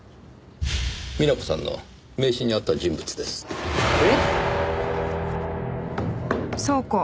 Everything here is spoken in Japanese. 美奈子さんの名刺にあった人物です。え？